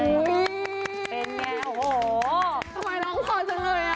โอ้ยโอ้ยเป็นไงโอ้โหทำไมล้องฝ่อนจังเลยอ่ะ